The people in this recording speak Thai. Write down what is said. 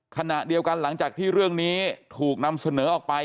ขณะเดียวกันหลังจากที่เรื่องนี้ถูกนำเสนอออกไป